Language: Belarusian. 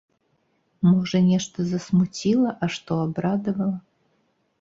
Можа, нешта засмуціла, а што абрадавала?